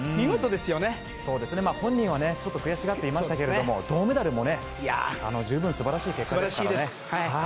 本人はちょっと悔しがっていましたが銅メダルも十分素晴らしい結果ですからね。